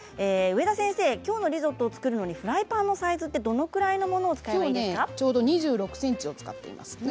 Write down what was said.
上田先生、きょうのリゾットを作るのにフライパンのサイズどれくらいのものを使えばきょうは２６ｃｍを使っています。